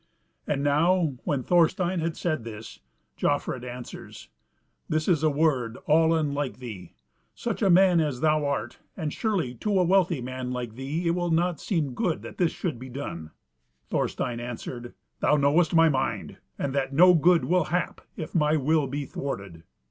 And now, when Thorstein had said this, Jofrid answers, "This is a word all unlike thee, such a man as thou art, and surely to a wealthy man like thee it will not seem good that this should be done." Thorstein answered: "Thou knowest my mind, and that no good will hap if my will be thwarted."